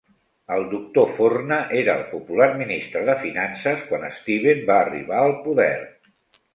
El doctor Forna era el popular ministre de finances quan Steven va arribar al poder.